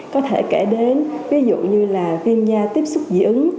có thể kể đến ví dụ như là viêm da tiếp xúc dị ứng